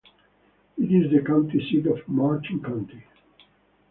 It is the county seat of Martin County.